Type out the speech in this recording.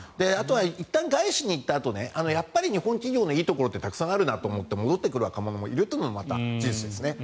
いったん外資に行ったあとに日本企業もいいところあるなってたくさんあるなと思って戻ってくる若者もいるのも事実ですね。